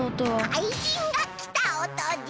かいじんがきたおとじゃ。